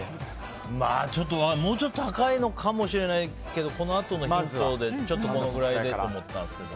もうちょっと高いのかもしれないけどこのあとのヒントでこのくらいでと思ったんですけど。